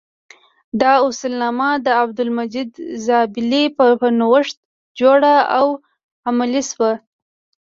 دا اصولنامه د عبدالمجید زابلي په نوښت جوړه او عملي شوه.